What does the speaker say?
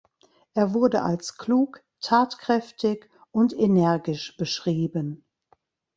Er wurde als klug, tatkräftig und energisch beschrieben.